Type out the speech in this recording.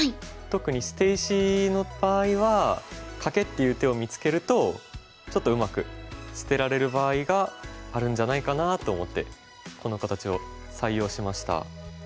特に捨て石の場合はカケっていう手を見つけるとちょっとうまく捨てられる場合があるんじゃないかなと思ってこの形を採用しました。